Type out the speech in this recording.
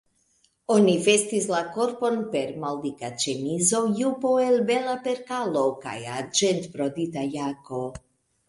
Oni vestis la korpon per maldika ĉemizo, jupo el bela perkalo kaj arĝentbrodita jako.